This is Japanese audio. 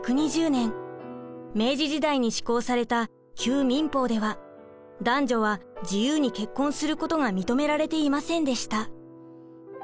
明治時代に施行された旧民法では男女は自由に結婚することが認められていませんでした。